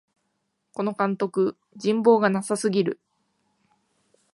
この監督、人望がなさすぎる